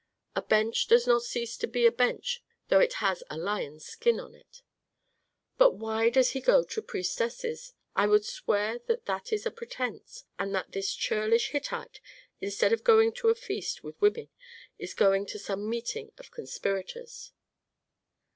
A bench does not cease to be a bench, though it has a lion's skin on it." "But why does he go to priestesses? I would swear that that is a pretence, and that this churlish Hittite, instead of going to a feast with women, is going to some meeting of conspirators."